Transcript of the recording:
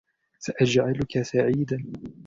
سأجعلك سعيدًا.